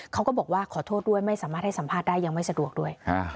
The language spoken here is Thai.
เขาก็บอกว่าขอโทษด้วยไม่สามารถให้สัมภาษณ์ได้ยังไม่สะดวกด้วย